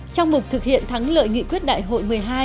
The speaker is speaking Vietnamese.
trong mục thực hiện thắng lợi nghị quyết đại hội một mươi hai